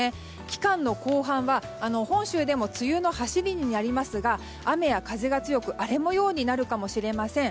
期間の後半は本州でも梅雨の走りになりますが雨や風が強く荒れ模様になるかもしれません。